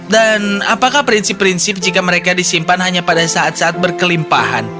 dan apakah prinsip prinsip jika mereka disimpan hanya pada saat saat berkelimpahan